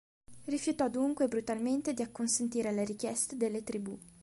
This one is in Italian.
Rifiutò dunque brutalmente di acconsentire alle richieste delle tribù.